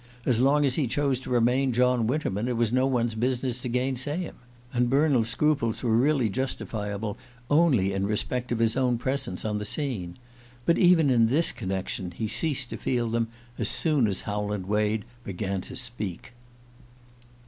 As long as he chose to remain John Winterman it was no one's business to gainsay him; and Bernald's scruples were really justifiable only in respect of his own presence on the scene. But even in this connection he ceased to feel them as soon as Howland Wade began to speak.